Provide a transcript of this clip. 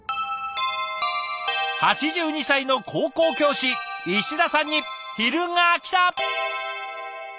８２歳の高校教師石田さんに昼がきた。